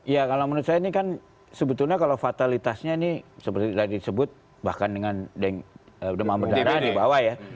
ya kalau menurut saya ini kan sebetulnya kalau fatalitasnya ini seperti tadi disebut bahkan dengan demam berdarah di bawah ya